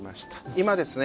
今ですね